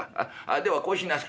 ではこうしなさい。